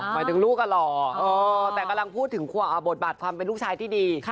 หมายถึงลูกหล่อแต่กำลังพูดถึงบทบาทความเป็นลูกชายที่ดี